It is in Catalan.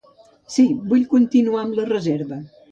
Sí, vull continuar amb la reserva.